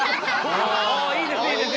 ああいいですいいです。